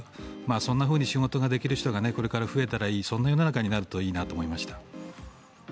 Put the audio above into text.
そんなふうに仕事ができる人がこれから増えたらいいそんな世の中になるといいなと思いました。